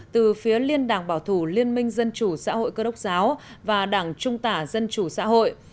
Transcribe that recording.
từ phía liên đảng bảo thủ liên minh dân chủ xã hội cơ đốc giáo và đảng trung tả dân chủ xã hội